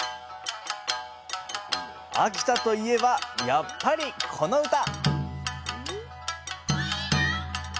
秋田といえばやっぱりこの歌！